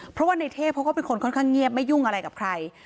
เพราะว่าในเทพเขาก็เป็นคนค่อนข้างเงียบไม่ยุ่งอะไรกับใคร